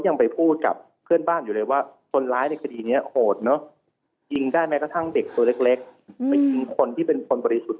ในชุมชนเล็กคนที่เป็นผลบริสุทธิ์